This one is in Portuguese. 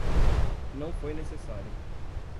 Não foi necessário.